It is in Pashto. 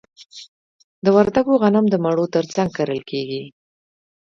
د وردګو غنم د مڼو ترڅنګ کرل کیږي.